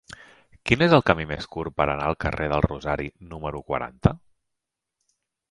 Quin és el camí més curt per anar al carrer del Rosari número quaranta?